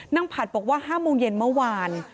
ผัดบอกว่า๕โมงเย็นเมื่อวาน